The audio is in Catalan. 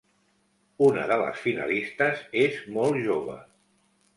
Una de les finalistes és molt jove.